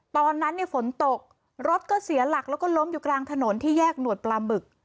ตอนนั้นเนี่ยฝนตกรถก็เสียหลักแล้วก็ล้มอยู่กลางถนนที่แยกหนวดปลาบึก